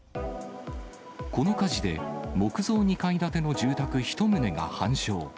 この火事で、木造２階建ての住宅１棟が半焼。